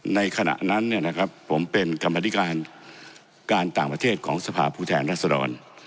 ในขณะนั้นผมเป็นกรรมธิการการต่างประเทศของสภาพผู้แทนรัศดร